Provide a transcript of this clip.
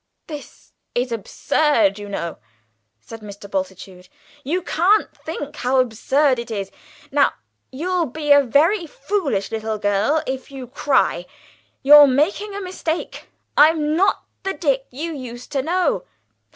"This is absurd, you know," said Mr. Bultitude. "You can't think how absurd it is! Now, you'll be a very foolish little girl if you cry. You're making a mistake. I'm not the Dick you used to know!"